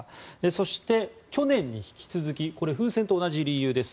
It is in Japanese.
そして、去年に引き続きこれ、風船と同じ理由です。